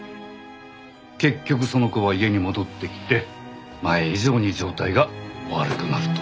結局その子は家に戻ってきて前以上に状態が悪くなると。